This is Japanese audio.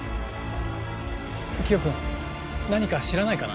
キヨ君何か知らないかな？